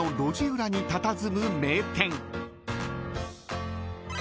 裏にたたずむ名店］